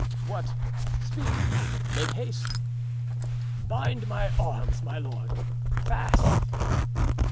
"What? speak, make haste." "Bind my arms, my lord, fast."